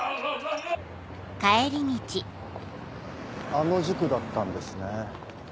あの塾だったんですね。